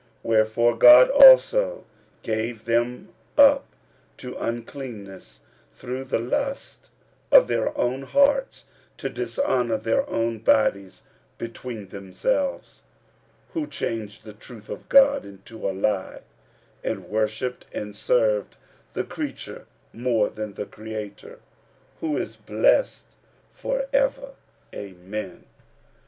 45:001:024 Wherefore God also gave them up to uncleanness through the lusts of their own hearts, to dishonour their own bodies between themselves: 45:001:025 Who changed the truth of God into a lie, and worshipped and served the creature more than the Creator, who is blessed for ever. Amen.